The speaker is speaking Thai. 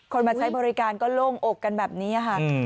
มาใช้บริการก็โล่งอกกันแบบนี้ค่ะ